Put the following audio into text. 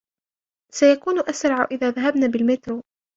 سيكون اسرع اذا ذهبنا بالمترو.